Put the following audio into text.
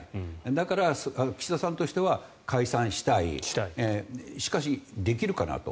だから、岸田さんとしては解散したいしかし、できるかなと。